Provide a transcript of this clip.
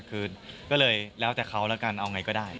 ก็เลยแล้วแต่เขาแล้วกันเอาอย่างไรก็ได้